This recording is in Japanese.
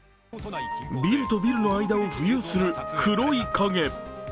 ビルトビルの間を浮遊する黒い影。